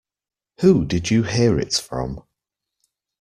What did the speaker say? Who did you hear it from?